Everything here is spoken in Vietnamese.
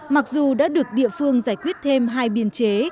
mặc dù đã được địa phương giải quyết thêm hai biên chế